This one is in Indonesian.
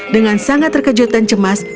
dengan sangat terkejut dan cemas